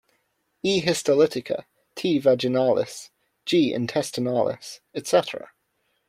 E. histolytica, T. vaginalis, G. intestinalis etc.